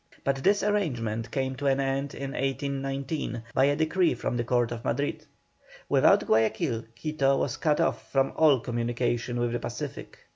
But this arrangement came to an end in 1819, by a decree from the Court of Madrid. Without Guayaquil Quito was cut off from all communication with the Pacific.